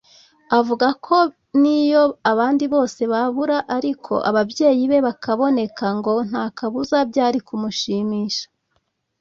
avuga ko n'iyo abandi bose babura ariko ababyeyi be bakaboneka ngo nta kabuza byari kumushimisha